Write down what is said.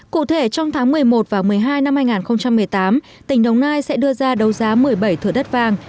cụ thể trong tháng một mươi một và một mươi hai năm hai nghìn một mươi tám tỉnh đồng nai sẽ đưa ra đấu giá một mươi bảy thửa đất vàng